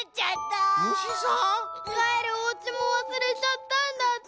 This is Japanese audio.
かえるおうちもわすれちゃったんだって。